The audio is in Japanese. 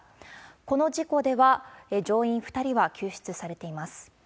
この事故では、乗員２人は救出されています。